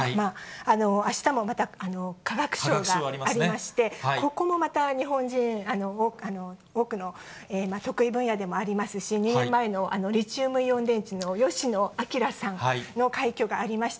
あしたもまた、化学賞がありまして、ここもまた、日本人、多くの、得意分野でもありますし、２年前のリチウムイオン電池の吉野彰さんの快挙がありました。